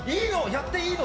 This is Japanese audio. やっていいの？